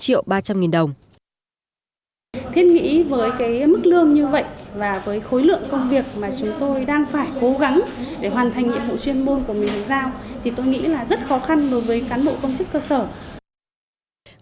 thì tôi nghĩ là rất khó khăn đối với cán bộ công chức cơ sở